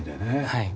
はい。